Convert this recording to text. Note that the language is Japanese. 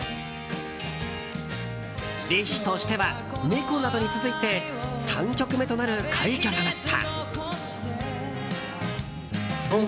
ＤＩＳＨ／／としては「猫」などに続いて３曲目となる快挙となった。